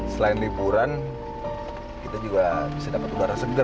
selain liburan kita juga bisa dapat udara segar